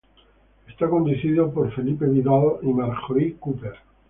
Es conducido por Felipe Vidal y Marjorie Cooper.